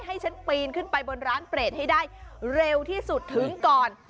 ให้ฉันปีนขึ้นไปบนร้านเปรตให้ได้เร็วที่สุดถึงก่อน